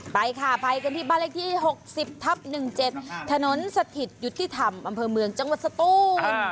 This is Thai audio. ไปค่ะไปกันที่บ้านเลขที่๖๐ทับ๑๗ถนนสถิตยุติธรรมอำเภอเมืองจังหวัดสตูน